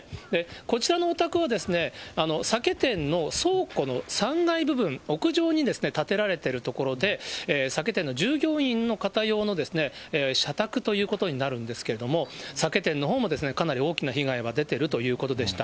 こちらのお宅は、酒店の倉庫の３階部分、屋上に建てられてる所で、酒店の従業員の方用の社宅ということになるんですけれども、酒店のほうもかなり大きな被害は出てるということでした。